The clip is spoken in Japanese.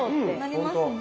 なりますね。